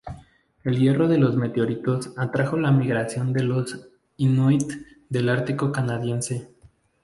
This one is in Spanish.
El hierro de los meteoritos atrajo la migración de los inuit del Ártico canadiense.